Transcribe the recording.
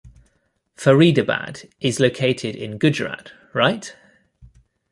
Faridabad is located in Gujarat right?